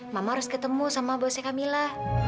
mama harus ketemu sama bosnya kamila